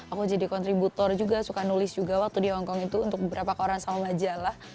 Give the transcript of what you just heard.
aku jadi kontributor juga suka nulis juga waktu di hongkong itu untuk beberapa koran sama majalah